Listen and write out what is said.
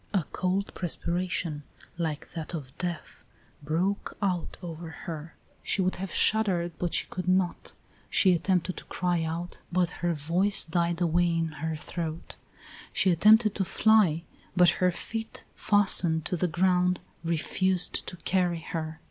A cold perspiration, like that of death, broke out over her; she would have shuddered, but she could not; she attempted to cry out, but her voice died away in her throat; she attempted to fly, but her feet, fastened to the ground, refused to carry her.